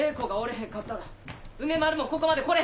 へんかったら梅丸もここまで来れ